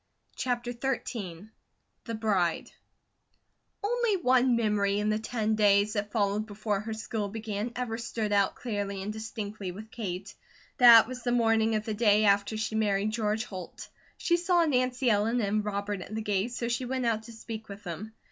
CHAPTER XIII THE BRIDE ONLY one memory in the ten days that followed before her school began ever stood out clearly and distinctly with Kate. That was the morning of the day after she married George Holt. She saw Nancy Ellen and Robert at the gate so she went out to speak with them.